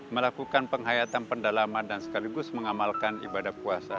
melakukan penghayatan pendalaman dan sekaligus mengamalkan ibadah puasa